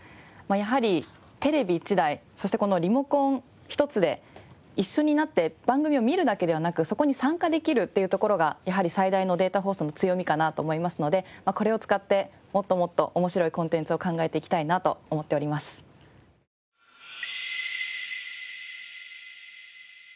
やはりテレビ１台そしてこのリモコン１つで一緒になって番組を見るだけではなくそこに参加できるっていうところがやはり最大のデータ放送の強みかなと思いますのでこれを使ってもっともっと面白いコンテンツを考えていきたいなと思っております。